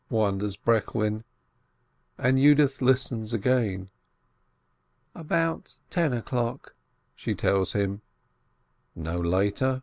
wonders Breklin, and Yudith listens again. "About ten o'clock," she tells him. "No later?